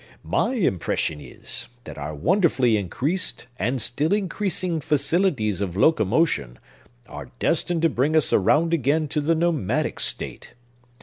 My impression is, that our wonderfully increased and still increasing facilities of locomotion are destined to bring us around again to the nomadic state.